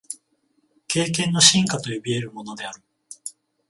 経験の深化と呼び得るものである。